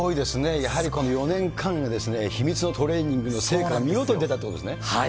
やはりこの４年間の秘密のトレーニングの成果が見事に出たってこはい。